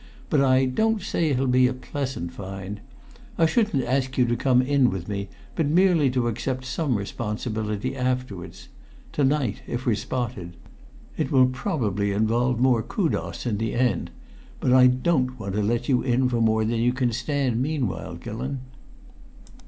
"But I don't say it'll be a pleasant find. I shouldn't ask you to come in with me, but merely to accept some responsibility afterwards to night, if we're spotted. It will probably involve more kudos in the end. But I don't want to let you in for more than you can stand meanwhile, Gillon."